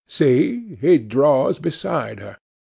See! he draws beside her.